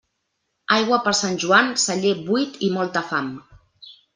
Aigua per Sant Joan, celler buit i molta fam.